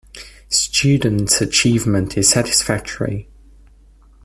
Students' achievement is satisfactory.